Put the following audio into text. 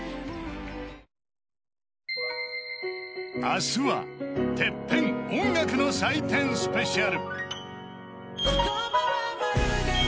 明日は「ＴＥＰＰＥＮ」音楽の祭典スペシャル。